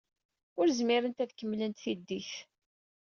Ur zmirent ad kemmlent tiddit.